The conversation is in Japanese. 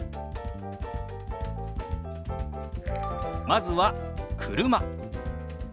まずは「車」。